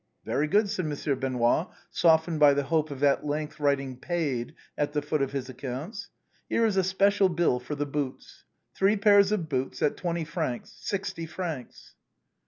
" Very good," said Monsieur Benoît, softened by the hope of at length writing " Paid " at the foot of his ac counts. " Here is a special bill for the boots. Three pairs of boots at twenty francs, sixty francs."